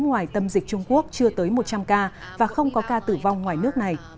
ngoài tâm dịch trung quốc chưa tới một trăm linh ca và không có ca tử vong ngoài nước này